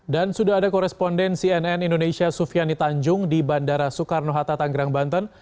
dan sudah ada koresponden cnn indonesia sufiani tanjung di bandara soekarno hatta tanggerang banten